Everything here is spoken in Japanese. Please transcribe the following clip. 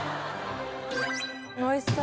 おいしそう。